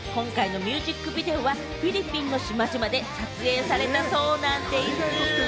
今回のミュージックビデオはフィリピンの島々で撮影されたそうなんでぃす！